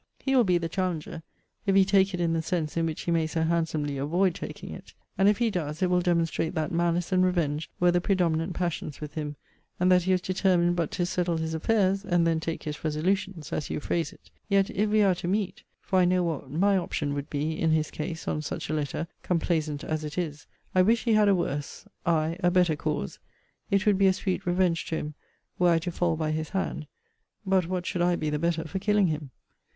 He will be the challenger, if he take it in the sense in which he may so handsomely avoid taking it. And if he does, it will demonstrate that malice and revenge were the predominant passions with him; and that he was determined but to settle his affairs, and then take his resolutions, as you phrase it. Yet, if we are to meet [for I know what my option would be, in his case, on such a letter, complaisant as it is] I wish he had a worse, I a better cause. It would be a sweet revenge to him, were I to fall by his hand. But what should I be the better for killing him?